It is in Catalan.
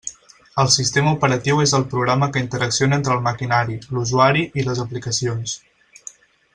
El sistema operatiu és el programa que interacciona entre el maquinari, l'usuari i les aplicacions.